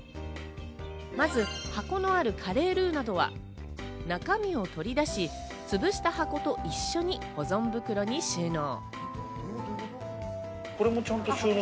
まず箱があるカレールーなどは中身を取り出し、つぶした箱と一緒に保存袋に収納。